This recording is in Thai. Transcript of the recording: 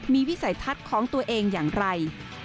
มีวิสัยทัศน์ของตัวเองอย่างไร